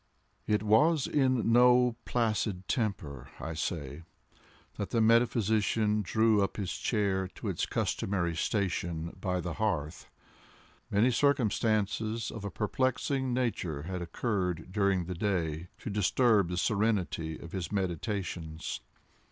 It was in no placid temper, I say, that the metaphysician drew up his chair to its customary station by the hearth. Many circumstances of a perplexing nature had occurred during the day, to disturb the serenity of his meditations.